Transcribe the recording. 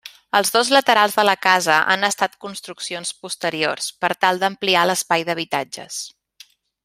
Els dos laterals de la casa han estat construccions posteriors per tal d'ampliar l'espai d'habitatges.